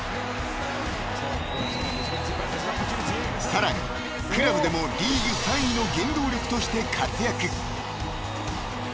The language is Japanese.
［さらにクラブでもリーグ３位の原動力として活躍］